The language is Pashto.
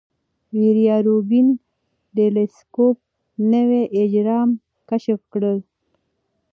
ویرا روبین ټیلسکوپ نوي اجرام کشف کړل.